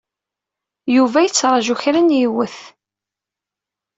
Yuba yettṛaju kra n yiwet.